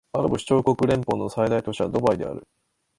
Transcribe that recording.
アラブ首長国連邦の最大都市はドバイである